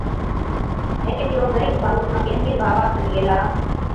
ھيڪي ڏِيئو غرِيب ڀائُو آپڪي امِير ڀاوا کن گيلا